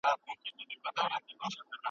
ماشومان د پوهې په رڼا کې لوییږي.